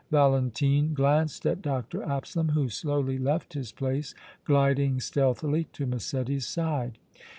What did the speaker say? Valentine glanced at Dr. Absalom, who slowly left his place, gliding stealthily to Massetti's side.